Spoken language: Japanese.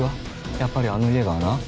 やっぱりあの家が穴？